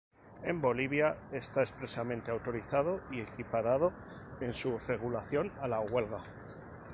En Bolivia está expresamente autorizado y equiparado en su regulación a la huelga.